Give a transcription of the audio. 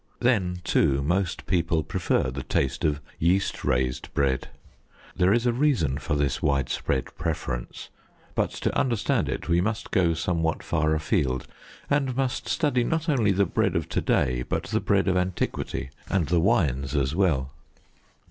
Then, too, most people prefer the taste of yeast raised bread. There is a reason for this widespread preference, but to understand it, we must go somewhat far afield, and must study not only the bread of to day, but the bread of antiquity, and the wines as well.